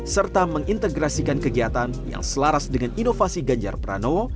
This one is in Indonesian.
serta mengintegrasikan kegiatan yang selaras dengan inovasi ganjar pranowo